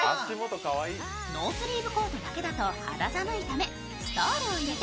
ノースリーブコートだけだと肌寒いため、ストールを入れて